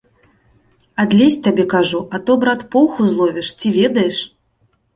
Адлезь, табе кажу, а то, брат, поўху зловіш, ці ведаеш!